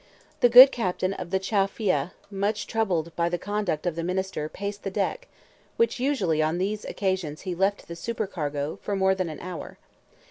The good captain of the Chow Phya, much troubled by the conduct of the minister, paced the deck (which usually, on these occasions, he left to the supercargo) for more than an hour.